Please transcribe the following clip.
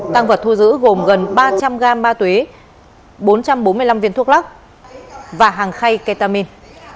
tăng vật thu giữ gồm gần ba trăm linh gam ma túy bốn trăm bốn mươi năm viên thuốc lắc và hàng khay ketamin